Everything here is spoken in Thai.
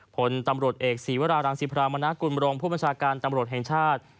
ผลตำรวจเอกศีวรารังสิพรามณกุลบรองผู้บัญชาการตำรวจแห่งชาติ